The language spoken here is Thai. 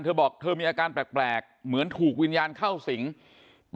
เธอบอกเธอมีอาการแปลกเหมือนถูกวิญญาณเข้าสิง